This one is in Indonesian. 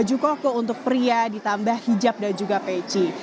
dan juga ada baju koko yang berkulit kaya ditambah hijab dan juga peci